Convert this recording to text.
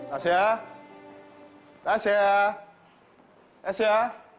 asia asia asia